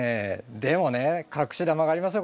でもね隠し玉がありますよ